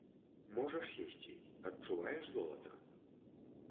Можаш сесці, адчуваеш золата?